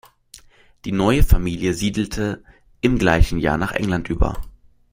Die neue Familie siedelte im gleichen Jahr nach England über.